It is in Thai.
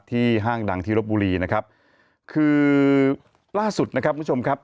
ห้างดังที่รบบุรีนะครับคือล่าสุดนะครับคุณผู้ชมครับ